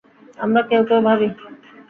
আমরা কেউ কেউ ভাবি।